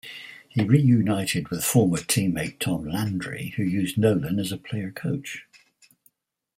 He reunited with former teammate Tom Landry, who used Nolan as a "player-coach".